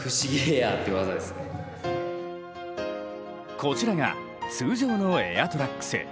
こちらが通常のエアトラックス。